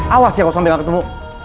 awas ya kalau sampai gak ketemu